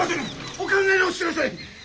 お考え直しください！